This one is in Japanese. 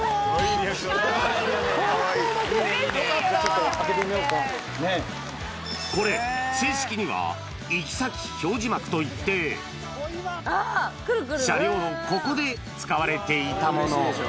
ちょっと開けてみようか、これ、正式には、行先表示幕といって、車両のここで使われていたもの。